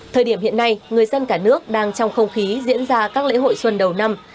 thời điểm hiện nay người dân cả nước đang trong không khí diễn ra các lễ hội xuân đầu năm